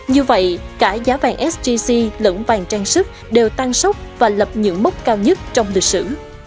như vậy cả giá vàng sgc lẫn vàng trang sức đều tăng sốc và lập những mốc cao nhất trong lịch sử